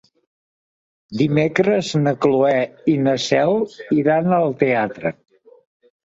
Dimecres na Cloè i na Cel iran al teatre.